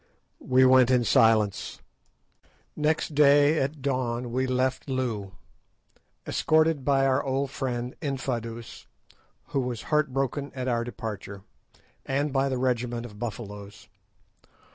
We went in silence. Next day at dawn we left Loo, escorted by our old friend Infadoos, who was heart broken at our departure, and by the regiment of Buffaloes.